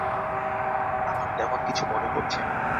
আমার তেমন কিছু মনে পড়ছে না।